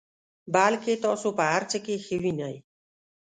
بلکې تاسو په هر څه کې ښه وینئ.